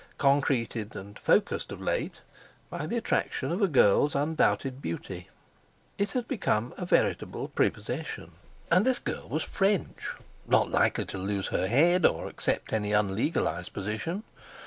Concreted and focussed of late by the attraction of a girl's undoubted beauty, it had become a veritable prepossession. And this girl was French, not likely to lose her head, or accept any unlegalised position.